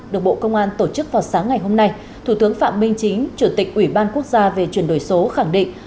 được bộ công an tổ chức vào sáng ngày hôm nay thủ tướng phạm minh chính chủ tịch ủy ban quốc gia về chuyển đổi số khẳng định